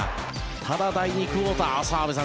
ただ、第２クオーター澤部さん